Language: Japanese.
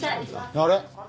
あれ？